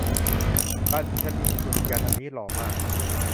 ดรรชนีสุริยัน อันนี้หล่อมาก